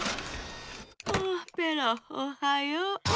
あペロおはよう。